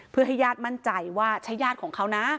เพื่อให้ญาติมั่นใจว่าใช่ญาติของเขานะ